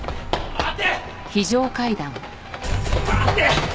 待て！